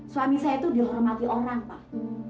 suami saya itu dihormati orang pak